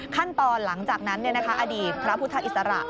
ขั้นตอนหลังจากนั้นอดีตพระพุทธอิสระ